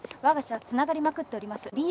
わが社はつながりまくっております。